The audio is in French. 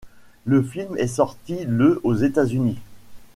Le film est sorti le aux États-Unis.